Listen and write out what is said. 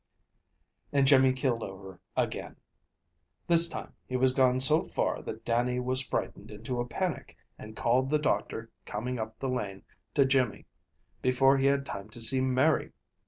And Jimmy keeled over again. This time he was gone so far that Dannie was frightened into a panic, and called the doctor coming up the lane to Jimmy before he had time to see Mary.